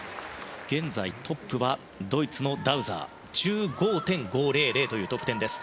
現在トップはドイツのダウザー。１５．５００という得点です。